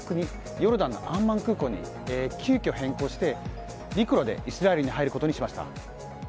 ヨルダンのアンマン空港に急きょ、変更して陸路でイスラエルに入ることにしました。